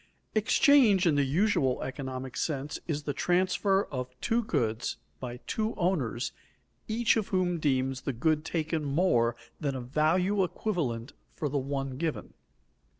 _Exchange in the usual economic sense is the transfer of two goods by two owners, each of whom deems the good taken more than a value equivalent for the one given.